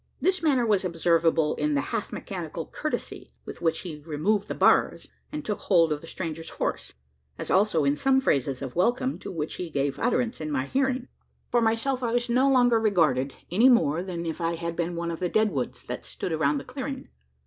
This manner was observable in the half mechanical courtesy, with which he removed the bars, and took hold of the stranger's horse as also in some phrases of welcome, to which he gave utterance in my hearing. For myself, I was no longer regarded, any more than if I had been one of the dead woods that stood around the clearing.